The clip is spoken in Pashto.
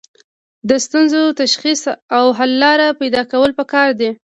د ستونزو تشخیص او حل لاره پیدا کول پکار دي.